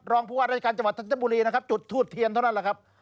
ผู้ว่าราชการจังหวัดธัญบุรีนะครับจุดทูบเทียนเท่านั้นแหละครับ